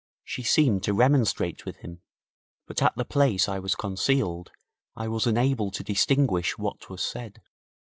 She seemed to remonstrate with him, but at the place I was concealed I was unable to distinguish what was said.